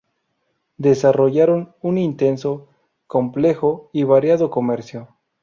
Desarrollaron un intenso, complejo, y variado comercio.